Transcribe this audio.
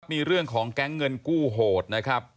มีเรื่องของแก๊งเงินกู้โหดนะครับ